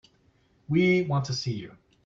We want to see you.